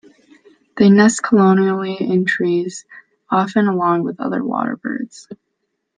They nest colonially in trees, often along with other waterbirds.